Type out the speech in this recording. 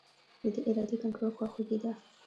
د دې ارادې کنټرول خواخوږي ده.